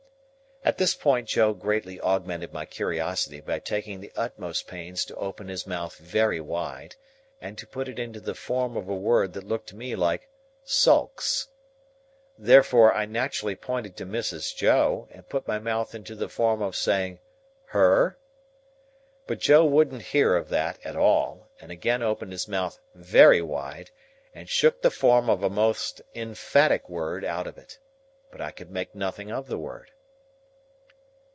At this point Joe greatly augmented my curiosity by taking the utmost pains to open his mouth very wide, and to put it into the form of a word that looked to me like "sulks." Therefore, I naturally pointed to Mrs. Joe, and put my mouth into the form of saying, "her?" But Joe wouldn't hear of that, at all, and again opened his mouth very wide, and shook the form of a most emphatic word out of it. But I could make nothing of the word.